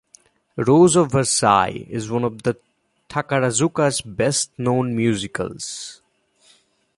"Rose of Versailles" is one of Takarazuka's best-known musicals.